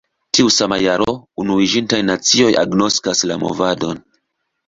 Tiu sama jaro, Unuiĝintaj Nacioj agnoskas la movadon.